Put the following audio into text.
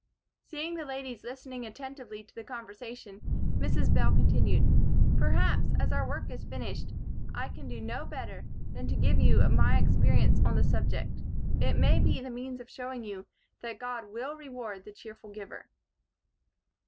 Seeing the ladies listening attentively to the conversation, Mrs. Bell continued: "Perhaps, as our work is finished, I can do no better than to give you my experience on the subject. It may be the means of showing you that God will reward the cheerful giver.